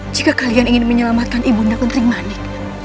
jika kalian ingin menyelamatkan ibu nda gentri manik